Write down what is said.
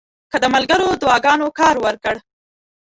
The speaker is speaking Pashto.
که د ملګرو دعاګانو کار ورکړ.